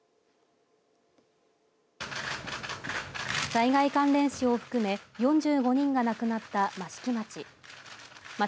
災害関連死を含め４５人が亡くなった益城町。